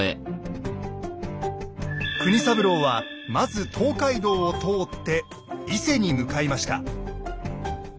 国三郎はまず東海道を通って伊勢に向かいました。